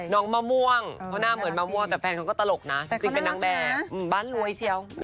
มะม่วงเพราะหน้าเหมือนมะม่วงแต่แฟนเขาก็ตลกนะจริงเป็นนางแบบบ้านรวยเชียว